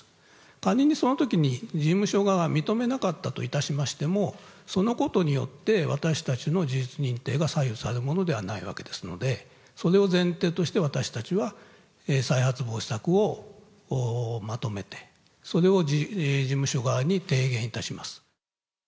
仮にそのときに、事務所側が認めなかったといたしましても、そのことによって、私たちの事実認定が左右されるものではないわけですので、それを前提として、私たちは再発防止策をまとめて、それを事務所側に提言いたします。